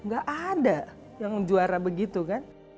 gak ada yang juara begitu kan